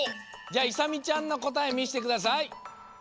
じゃあいさみちゃんのこたえみせてください！